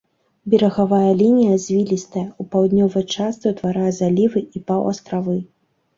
Берагавая лінія звілістая, у паўднёвай частцы ўтварае залівы і паўастравы.